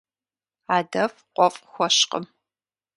Адэфӏ къуэфӏ хуэщкъым.